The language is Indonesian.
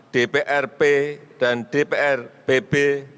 dprp dan dprbb